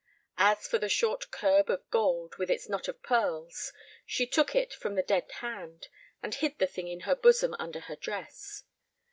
As for the short curb of gold with its knot of pearls, she took it from the dead hand, and hid the thing in her bosom under her dress.